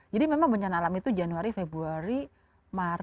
jadi memang bencana alam itu januari februari maret